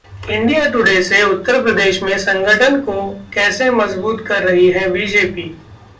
India Today से: उत्तर प्रदेश में संगठन को कैसे मजबूत कर रही है बीजेपी